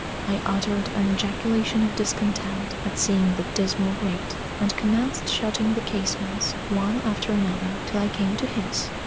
I uttered an ejaculation of discontent at seeing the dismal grate, and commenced shutting the casements, one after another, till I came to his.